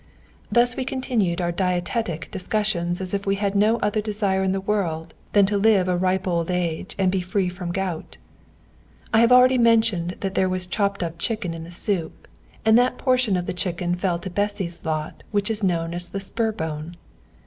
Thus we continued our dietetic discussions as if we had no other desire in the world than to live a ripe old age and be free from gout. I have already mentioned that there was chopped up chicken in the soup, and that portion of the chicken fell to Bessy's lot which is known as the spur bone.